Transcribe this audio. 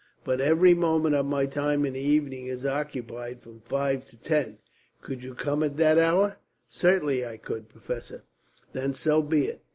But every moment of my time in the evening is occupied, from five to ten. Could you come at that hour?" "Certainly I could, professor." "Then so be it.